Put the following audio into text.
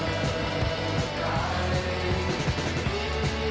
แม้มีใครมีอะไรให้เสิร์ฟใกล้